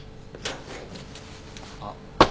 あっ。